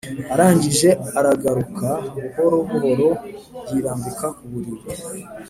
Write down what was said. arangije aragaruka buhoro buhoro yirambika kuburiri